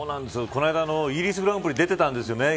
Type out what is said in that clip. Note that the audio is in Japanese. この間、イギリスグランプリ出ていたんですね。